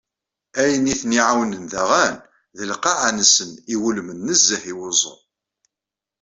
Ayen i ten-iεawnen daɣen, d lqaεa-nsen iwulmen nezzeh i wuẓu.